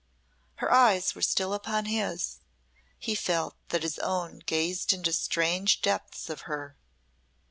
Her eyes were still upon his he felt that his own gazed into strange depths of her.